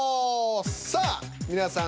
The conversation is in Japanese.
さあ皆さん